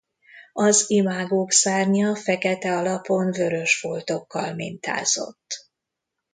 Az imágók szárnya fekete alapon vörös foltokkal mintázott.